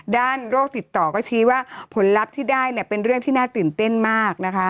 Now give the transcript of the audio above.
ด้านโรคติดต่อก็ชี้ว่าผลลัพธ์ที่ได้เป็นเรื่องที่น่าตื่นเต้นมาก